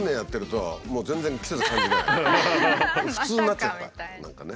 普通になっちゃった何かね。